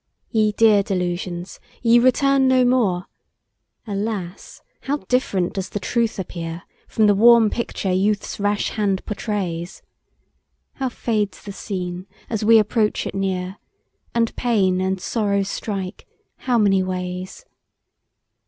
Ye dear delusions! ye return no more! Alas! how diff'rent does the truth appear, From the warm picture youth's rash hand portrays! How fades the scene, as we approach it near, And pain and sorrow strike how many ways!